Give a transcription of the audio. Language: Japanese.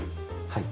はい。